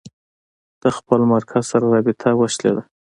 د خپل مرکز سره رابطه وشلېده.